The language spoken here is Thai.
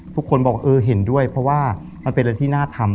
ทุกคนบอกเออเห็นด้วยเพราะว่ามันเป็นอะไรที่น่าทำ